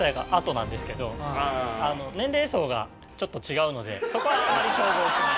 年齢層がちょっと違うのでそこはあまり競合しない。